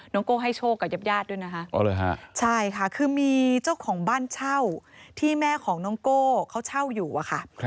โก้ให้โชคกับญาติญาติด้วยนะคะใช่ค่ะคือมีเจ้าของบ้านเช่าที่แม่ของน้องโก้เขาเช่าอยู่อะค่ะ